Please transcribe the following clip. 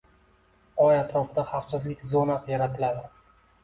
Oy atrofida xavfsizlik zonasi yaratiladi.